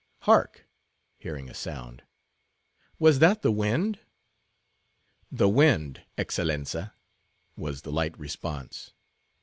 Hark!" hearing a sound, "was that the wind?" "The wind, Excellenza," was the light response.